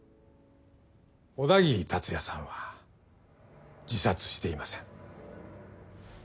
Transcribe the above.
小田切達也さんは自殺していません。